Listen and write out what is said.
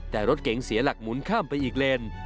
แต่รถเก๋งเสียหลักหมุนข้ามไปอีกเลน